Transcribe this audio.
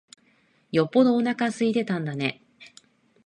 よっぽどおなか空いてたんだね。